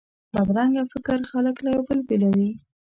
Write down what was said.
بدرنګه فکر خلک له یو بل بیلوي